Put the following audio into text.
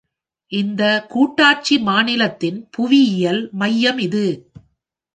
இந்த கூட்டாட்சி மாநிலத்தின் புவியியல் மையம் இது.